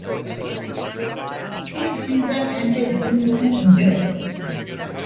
His season ended due to injury.